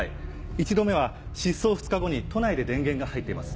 １度目は失踪２日後に都内で電源が入っています。